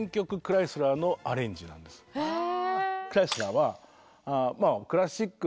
へえ。